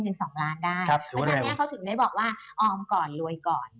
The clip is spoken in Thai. เพราะฉะนั้นเขาถึงได้บอกว่าออมก่อนรวยก่อน